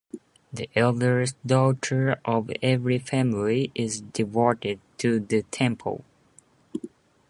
The eldest daughter of every family is devoted to the temple.